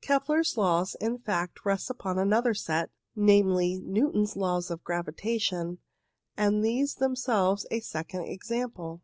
Kepler's Laws, in fact, rest upon another set, namely, Newton's Laws of Gravitation, and these are themselves a second example.